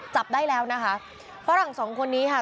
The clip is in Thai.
จับได้แล้วนะคะฝรั่งสองคนนี้ค่ะ